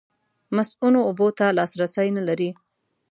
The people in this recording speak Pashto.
مصؤنو اوبو ته لاسرسی نه لري.